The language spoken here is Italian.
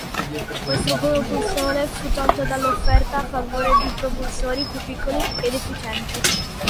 Questo propulsore fu tolto dall'offerta a favore di propulsori più piccoli ed efficienti.